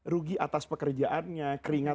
rugi atas pekerjaannya